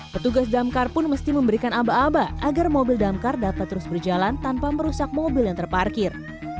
petugas damkar pun mesti memberikan aba aba agar mobil damkar dapat terus berjalan tanpa merusak mobil yang terparkir